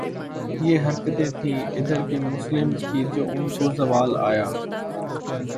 یہ حرکتیں تھیں ادھر کے مسلمز کی جو ان کو زوال آیا